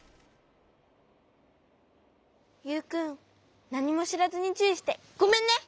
ユウくんなにもしらずにちゅういしてごめんね。